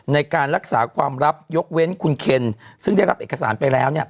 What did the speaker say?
ในการรักษาความลับยกเว้นคุณเคนซึ่งได้รับเอกสารไปแล้ว